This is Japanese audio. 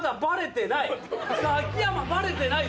さあ秋山バレてない。